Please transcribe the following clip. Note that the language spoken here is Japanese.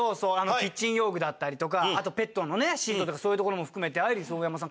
キッチン用具だったりとかあとペットのねシートとかそういうところも含めてアイリスオーヤマさん